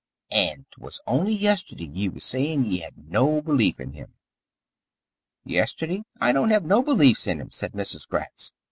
And 't was only yesterday ye was sayin' ye had no belief in him!" "Yesterday I don't have no beliefs in him," said Mrs. Gratz.